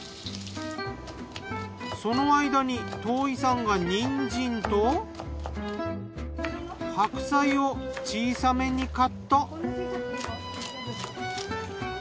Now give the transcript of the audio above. その間に遠井さんがにんじんと白菜を小さめにカット。